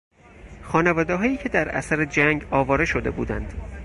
خانوادههایی که در اثر جنگ آواره شده بودند